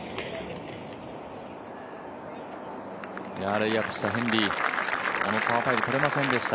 レイアップしたヘンリーこのホールとれませんでした。